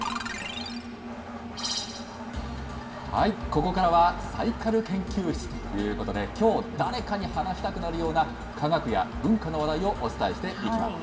ここからはサイカル研究室ということで、きょう、誰かに話したくなるような科学や文化の話題をお伝えしていきます。